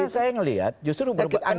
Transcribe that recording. karena saya ngelihat justru